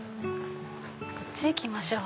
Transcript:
こっち行きましょう。